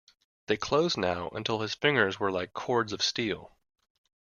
They closed now until his fingers were like cords of steel.